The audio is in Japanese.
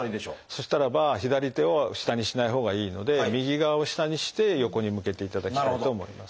そしたらば左手を下にしないほうがいいので右側を下にして横に向けていただきたいと思います。